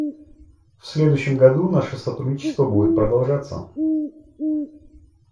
В следующем году наше сотрудничество будет продолжаться.